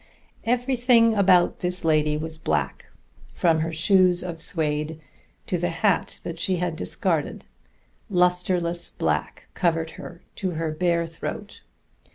Everything about this lady was black, from her shoes of suède to the hat that she had discarded; lusterless black covered her to her bare throat.